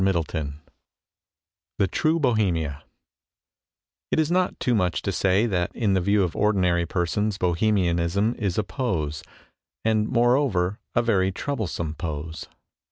Ill THE TRUE BOHEMIA IT is not too much to say that in the view of ordinary persons Bohemianism is a pose, and, moreover, a very troublesome pose.